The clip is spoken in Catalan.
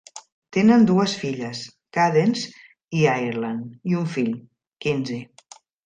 Tenen dues filles, Cadence i Ireland; i un fill, Kinzy.